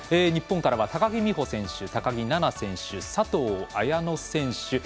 日本からは高木美帆選手高木菜那選手、佐藤綾乃選手。